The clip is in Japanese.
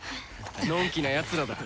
のんきなやつらだ。